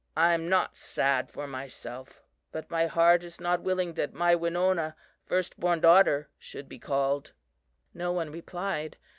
I am not sad for myself, but my heart is not willing that my Winona (first born daughter) should be called." No one replied.